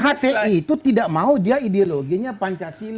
hti itu tidak mau dia ideologinya pancasila